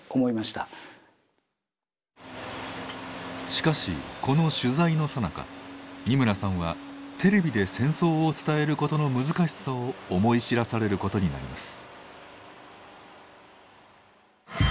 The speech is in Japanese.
しかしこの取材のさなか二村さんはテレビで戦争を伝えることの難しさを思い知らされることになります。